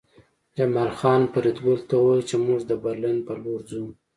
جمال خان فریدګل ته وویل چې موږ د برلین په لور ځو